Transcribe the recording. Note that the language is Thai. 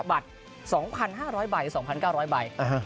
บัตร๒๕๐๐บาทหรือ๒๙๐๐บาท